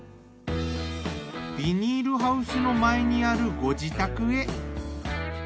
ビニールハウスの前にあるご自宅へ。